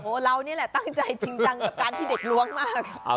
เรานี่แหละตั้งใจจริงจังกับการที่เด็กล้วงมาก